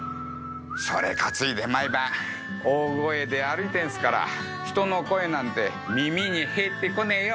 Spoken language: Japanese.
それ担いで毎晩大声で歩いてんすから人の声なんて耳に入ってこねぇよ。